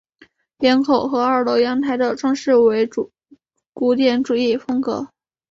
檐口和二楼阳台的装饰为古典主义风格。